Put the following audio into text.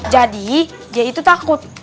jadi dia itu takut